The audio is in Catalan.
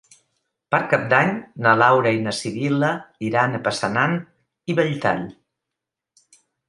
Per Cap d'Any na Laura i na Sibil·la iran a Passanant i Belltall.